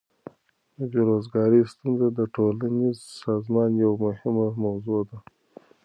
د بیروزګاری ستونزه د ټولنیز سازمان یوه مهمه موضوع ده.